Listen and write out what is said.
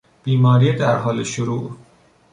بیماری در حال شروع